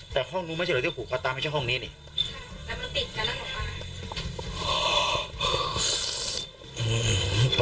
แต่ห้องนู้นไม่ใช่หรอเดี๋ยวหูปลาตาไม่ใช่ห้องนี้เนี่ย